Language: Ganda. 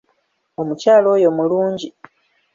Omukyala oyo mulungi.